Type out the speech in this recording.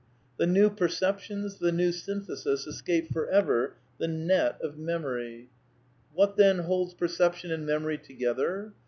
The new perceptions, the new syi; ithesis .escape for ever the net of memory. 66 A DEFENCE OF IDEALISM What then holds perception and memory together